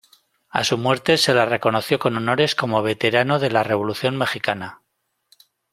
A su muerte se le reconoció con honores como "Veterano de la Revolución Mexicana".